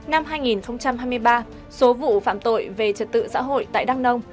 năm hai nghìn hai mươi ba số vụ phạm tội về trật tự xã hội tại đắk nông